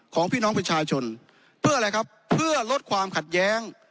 ของพี่น้องประชาชนเพื่ออะไรครับเพื่อลดความขัดแย้ง